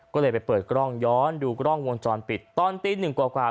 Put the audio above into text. ก็เลยไปเปิดกล้องย้อนดูกล้องวงจรปิดตอนตีหนึ่งกว่า